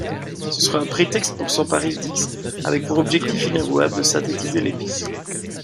Ce sera un prétexte pour s'emparer d'Ix avec pour objectif inavouable de synthétiser l'épice.